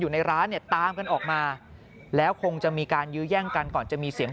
อยู่ในร้านเนี่ยตามกันออกมาแล้วคงจะมีการยื้อแย่งกันก่อนจะมีเสียง